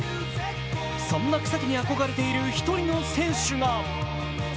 そんな草木に憧れている１人の選手が。